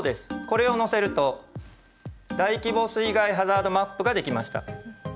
これを載せると大規模水害ハザードマップが出来ました。